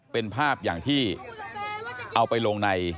เป็นภาพอย่างที่เอาไปลงใน